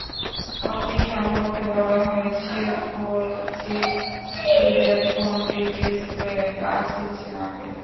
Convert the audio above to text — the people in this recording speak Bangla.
ফোনটি সম্পর্কে বলা হয়েছে, ফোরজি সুবিধার ফোনটির ডিসপ্লে পাঁচ ইঞ্চি মাপের।